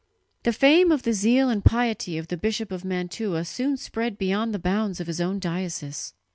The fame of the zeal and piety of the Bishop of Mantua soon spread beyond the bounds of his own diocese.